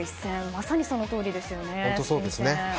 まさにそのとおりですね。